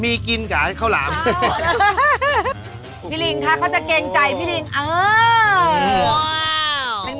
พี่ลิงค่ะเค้าจะเกรงใจพี่ลิงอ้าว